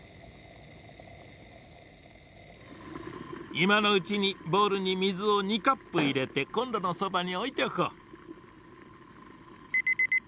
いまのうちにボウルにみずを２カップいれてコンロのそばにおいておこう。